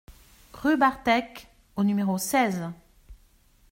Rue Barthèque au numéro seize